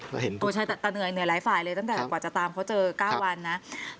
แต่เหนื่อยหลายฝ่ายเลยตั้งแต่กว่าจะตามเค้าเจอก้าววันนะ